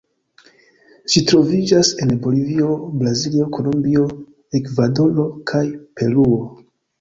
Ĝi troviĝas en Bolivio, Brazilo, Kolombio, Ekvadoro kaj Peruo.